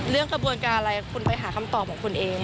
กระบวนการอะไรคุณไปหาคำตอบของคุณเอง